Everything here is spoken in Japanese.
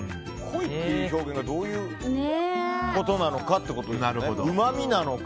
濃いっていう表現がどういうことなのかですよね。